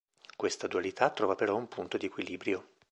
Questa dualità trova però un punto di equilibrio.